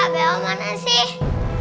bella mana sih